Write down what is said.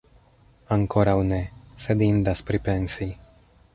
Ankoraŭ ne, sed indas pripensi!